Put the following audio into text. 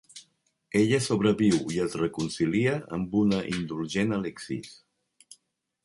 Ella sobreviu i és reconcilia amb una indulgent Alexis.